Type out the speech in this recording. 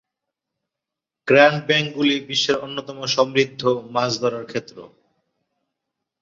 Grand ব্যাংকগুলি বিশ্বের অন্যতম সমৃদ্ধ মাছ ধরার ক্ষেত্র।